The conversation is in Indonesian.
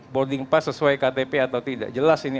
boarding pass sesuai ktp atau tidak jelas ini